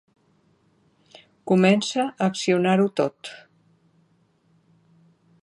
Comença a accionar-ho tot.